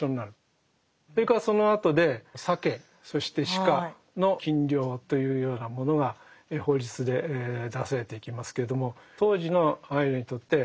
それからそのあとでサケそしてシカの禁猟というようなものが法律で出されていきますけれども。